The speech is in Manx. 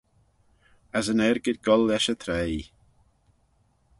As yn argid goll lesh y traie.